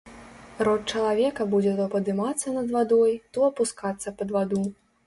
Рот чалавека будзе то падымацца над вадой, то апускацца пад ваду.